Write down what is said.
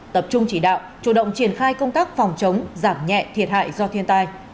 tập trung chỉ đạo chủ động triển khai công tác phòng chống giảm nhẹ thiệt hại do thiên tai